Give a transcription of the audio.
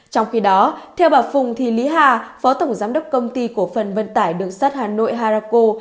trong khi đó theo bà phùng thì lý hà phó tổng giám đốc công ty cổ phần vận tải đường sắt hà nội harako